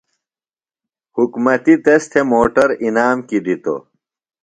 حُکمتیۡ تس تھےۡ موٹر انعام کیۡ دِتوۡ۔